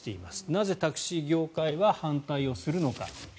なぜタクシー業界は反対するのか。